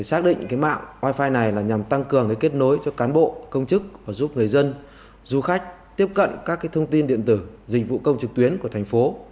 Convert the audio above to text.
xác định mạng wifi này là nhằm tăng cường kết nối cho cán bộ công chức và giúp người dân du khách tiếp cận các thông tin điện tử dịch vụ công trực tuyến của thành phố